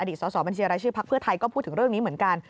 อดีตสสบัญชีอะไรชื่อพรรคเพื่อไทยก็พูดถึงเรื่องนี้เหมือนกัน